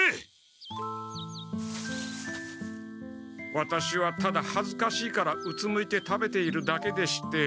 ワタシはただはずかしいからうつむいて食べているだけでして。